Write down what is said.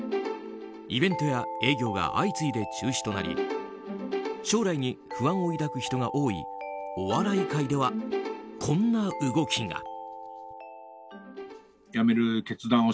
イベントや営業が相次いで中止となり将来に不安を抱く人が多いお笑い界ではこんな動きが。